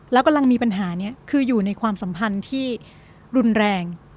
แล้วกำลังมีปัญหานี้คืออยู่ในความสัมพันธ์ที่รุนแรง